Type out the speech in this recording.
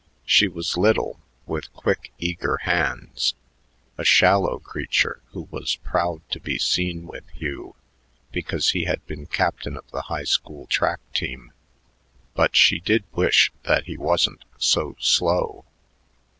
She was little, with quick, eager hands a shallow creature who was proud to be seen with Hugh because he had been captain of the high school track team. But she did wish that he wasn't so slow.